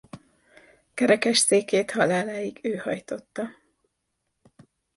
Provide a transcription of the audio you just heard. Kerekesszékét haláláig ő hajtotta.